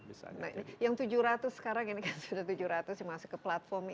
nah ini yang tujuh ratus sekarang ini kan sudah tujuh ratus yang masuk ke platform ini